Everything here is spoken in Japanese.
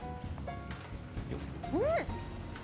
うん！